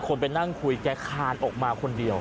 คนไปนั่งคุยแกคานออกมาคนเดียว